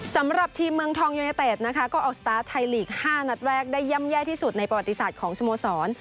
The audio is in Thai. สำหรับทีมเมืองทองยูเนเต็ดนะคะก็ออกสตาร์ทไทยลีก๕นัดแรกได้ย่ำแย่ที่สุดในประวัติศาสตร์ของสโมสร